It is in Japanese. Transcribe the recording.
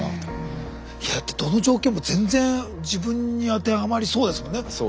どの状況も全然自分に当てはまりそうですもんね。